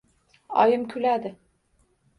Oyim kuladi.